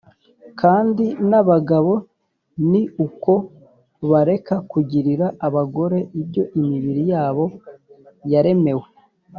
Kandi n’abagabo ni uko bareka kugirira abagore ibyo imibiri yabo yaremewe